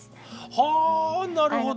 はあなるほど。